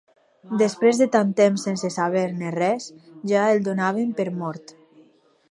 Després de tant temps sense saber-ne res, ja el donàvem per mort.